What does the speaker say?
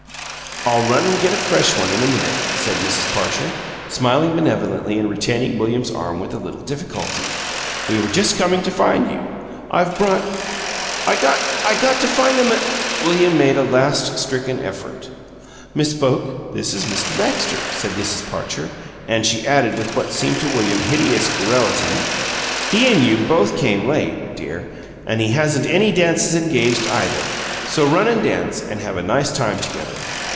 "I'll run and get a fresh one in a minute," said Mrs. Parcher, smiling benevolently and retaining William's arm with a little difficulty. "We were just coming to find you. I've brought " "I got to I got to find a m " William made a last, stricken effort. "Miss Boke, this is Mr. Baxter," said Mrs. Parcher, and she added, with what seemed to William hideous garrulity, "He and you both came late, dear, and he hasn't any dances engaged, either. So run and dance, and have a nice time together."